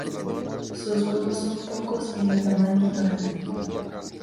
Sus huevos son pocos y de tamaño grande.